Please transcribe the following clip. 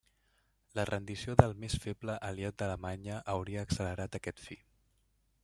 La rendició del més feble aliat d'Alemanya hauria accelerat aquest fi.